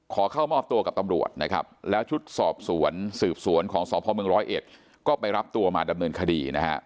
ขอเข้ามอบตัวกับตำรวจนะครับแล้วชุดสอบสวนสืบสวนของสพมร้อยเอ็ดก็ไปรับตัวมาดำเนินคดีนะฮะ